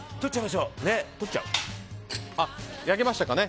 焼けましたかね